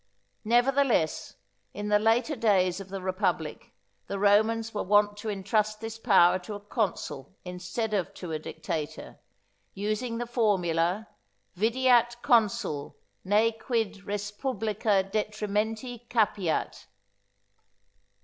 Nevertheless, in the later days of the republic the Romans were wont to entrust this power to a consul instead of to a dictator, using the formula, Videat CONSUL ne quid respublica detrimenti capiat.